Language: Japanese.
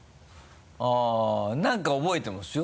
あっ何か覚えてますよ。